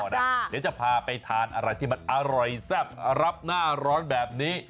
เดี๋ยวจะพาไปทานอะไรที่มันอร่อยแซ่บรับหน้าร้อนแบบนี้